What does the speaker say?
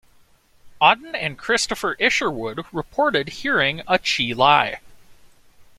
Auden and Christopher Isherwood reported hearing a Chee Lai!